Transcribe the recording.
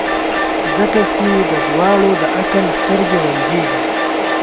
ځکه چي د دواړو د عقل سترګي ړندې دي.